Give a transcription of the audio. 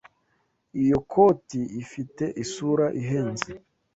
Iyo koti ifite isura ihenze.